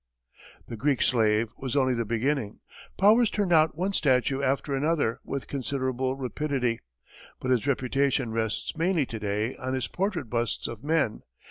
The "Greek Slave" was only the beginning. Powers turned out one statue after another with considerable rapidity, but his reputation rests mainly to day on his portrait busts of men.